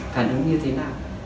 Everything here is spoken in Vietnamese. phản ứng như thế nào